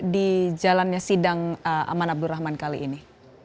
di jalannya sidang aman abdurrahman kali ini